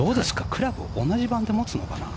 クラブ、同じ番手を持つのかな。